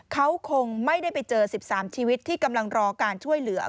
เขาคงไม่ได้ไปเจอ๑๓ชีวิตที่กำลังรอการช่วยเหลือ